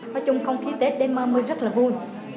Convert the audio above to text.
nói chung không khí tết đêm mơ mưa rất là vui